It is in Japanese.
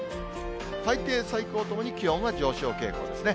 最低、最高ともに気温は上昇傾向ですね。